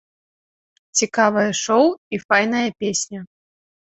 Цікавае шоў і файная песня.